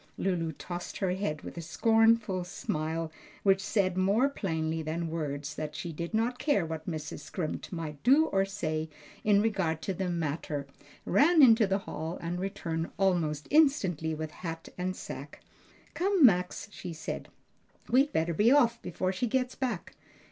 Lulu tossed her head with a scornful smile which said more plainly than words that she did not care what Mrs. Scrimp might do or say in regard to the matter, ran into the hall, and returned almost instantly with hat and sacque. "Come, Max," she said, "we'd better be off before she gets back.